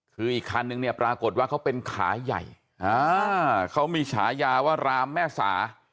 คืออีกคันนึงเนี่ยปรากฏว่าเขาเป็นขาใหญ่เขามีฉายาว่ารามแม่สา